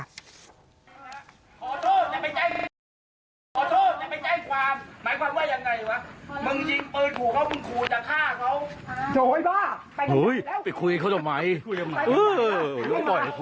ขอโทษอย่าไปใจความ